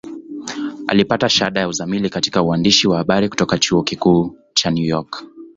Alipata shahada ya uzamili katika uandishi wa habari kutoka Chuo Kikuu cha New York.